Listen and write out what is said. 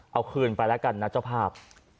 เอาคืนไปแล้วกันนะเจ้าภาพ